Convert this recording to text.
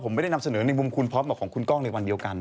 ผมไม่ได้นำเสนอในมุมคุณพร้อมกับของคุณกล้องในวันเดียวกัน